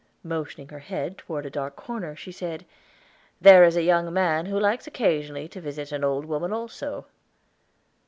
Motioning her head toward a dark corner, she said, "There is a young man who likes occasionally to visit an old woman also."